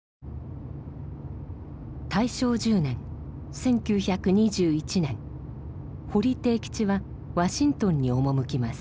大正１０年１９２１年堀悌吉はワシントンに赴きます。